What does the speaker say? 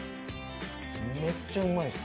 めっちゃうまいです。